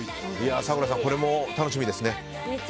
咲楽さんこれも楽しみですね。